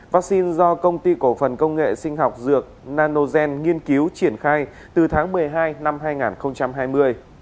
vaccine do công ty cổ phần công nghệ sinh học dược nanogen nghiên cứu triển khai từ tháng một mươi hai năm hai nghìn hai mươi